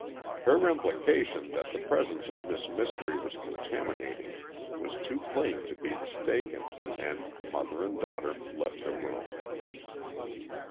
Her implication that the presence of Miss Mystery was contaminating was too plain to be mistaken, and mother and daughter left the room.